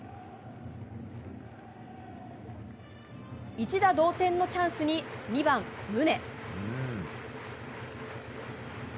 一打同点のチャンスに２番、宗。